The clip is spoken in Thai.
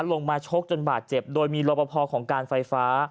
ลงมาชกจนบาดเจ็บโดยมีรบพอของการไฟฟ้า